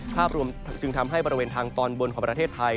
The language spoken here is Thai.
ภาพรวมจึงทำให้บริเวณทางตอนบนของประเทศไทย